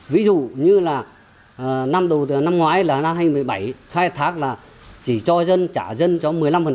ví dụ như là năm ngoái là năm hai nghìn một mươi bảy khai thác là chỉ cho dân trả dân cho một mươi năm